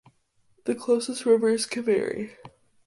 The closest river is Kaveri.